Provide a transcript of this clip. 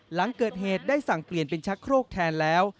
หลังเกิดเหตุได้สั่งเปลี่ยนเป็นชักโครกแทนแล้ว